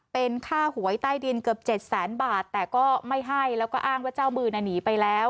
เป็นค่าหวยใต้ดินเกือบเจ็ดแสนบาทแต่ก็ไม่ให้แล้วก็อ้างว่าเจ้ามือน่ะหนีไปแล้ว